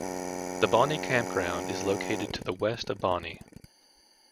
The Bonnie Campground is located to the west of Bonnie.